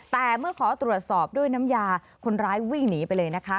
แต่เมื่อขอตรวจสอบด้วยน้ำยาคนร้ายวิ่งหนีไปเลยนะคะ